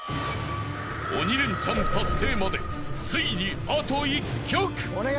［鬼レンチャン達成までついにあと１曲］